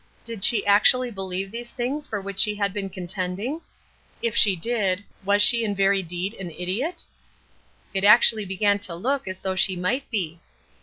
Did she actually believe these things for which she had been contending? If she did, was she in very deed an idiot? It actually began to look as though she might be.